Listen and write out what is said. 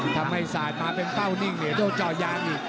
ทำให้สาดมาเป็นเป้านิ่งเนี่ยโดนจ่อยางอีก